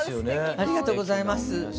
ありがとうございます。